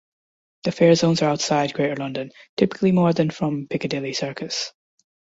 The fare zones are outside Greater London, typically more than from Piccadilly Circus.